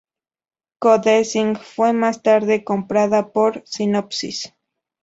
Co-Design fue más tarde comprada por Synopsis.